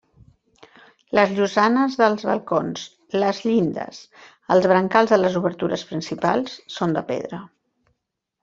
Les llosanes dels balcons, les llindes, els brancals de les obertures principals són de pedra.